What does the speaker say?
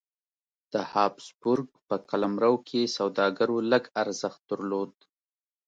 د هابسبورګ په قلمرو کې سوداګرو لږ ارزښت درلود.